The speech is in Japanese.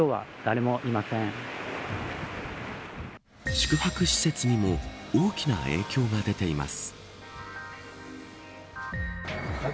宿泊施設にも大きな影響が出ています。